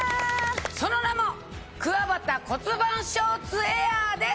その名も「くわばた骨盤ショーツエアー」です。